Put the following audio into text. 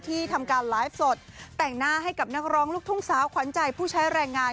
ทำการไลฟ์สดแต่งหน้าให้กับนักร้องลูกทุ่งสาวขวัญใจผู้ใช้แรงงาน